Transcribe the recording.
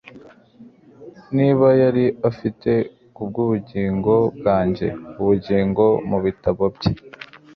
niba yari afite, kubwubugingo bwanjye, ubugingo mubitabo bye